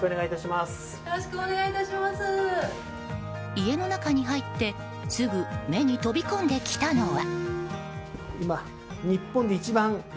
家の中に入ってすぐ目に飛び込んできたのは。